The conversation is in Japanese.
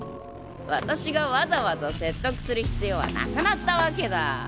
私がわざわざ説得する必要はなくなったわけだ。